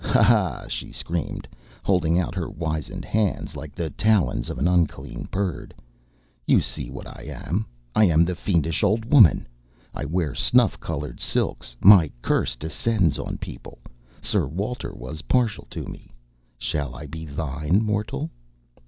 "Ha! ha!" she screamed, holding out her wizened hands like the talons of an unclean bird. "You see what I am. I am the fiendish old woman. I wear snuff coloured silks. My curse descends on people. Sir Walter was partial to me. Shall I be thine, mortal?"